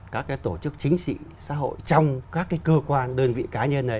các cái tổ chức chính sĩ xã hội trong các cái cơ quan đơn vị cá nhân ấy